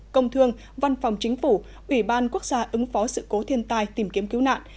công thương văn phòng chính phủ ủy ban quốc gia ứng phó sự cố thiên tai tìm kiếm cứu nạn